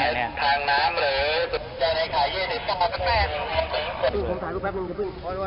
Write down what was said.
แม่ก็ถามว่าทำไมก่อนหน้าที่เขาไม่มีนนท์ทำไมเขาทำได้